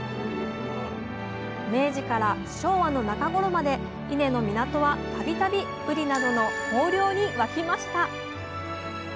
明治から昭和の中頃まで伊根の港は度々ぶりなどの豊漁に沸きました。